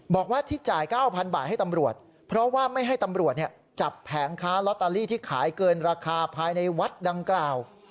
บอกว่าที่จ่าย๙๐๐บาทให้ตำรวจเพราะว่าไม่ให้ตำรวจจับแผงค้าลอตเตอรี่ที่ขายเกินราคาภายในวัดดังกล่าว